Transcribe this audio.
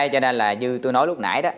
cho nên là như tôi nói lúc nãy đó